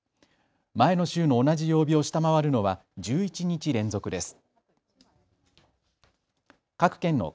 前の週の同じ曜日を下回るのは１１日連続です。